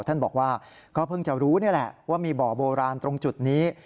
ท่านบอกว่าก็เพิ่งจะรู้นี่แหละว่ามีบ่อโบราณตรงจุดนี้